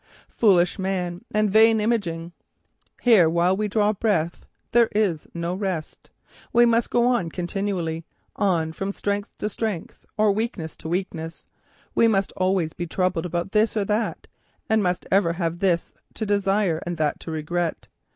Foolish man and vain imagining! Here, while we draw breath, there is no rest. We must go on continually, on from strength to strength, or weakness to weakness; we must always be troubled about this or that, and must ever have this desire or that to regret.